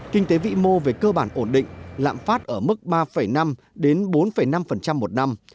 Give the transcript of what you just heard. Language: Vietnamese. kinh tế vĩ mô về cơ bản ổn định lạm phát ở mức ba năm đến bốn năm một năm